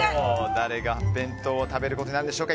誰が弁当を食べることになるんでしょうか。